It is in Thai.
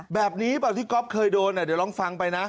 แบบนี้แบบที่ก๊อปเคยโดนอ่ะเดี๋ยวลองฟังไปนะ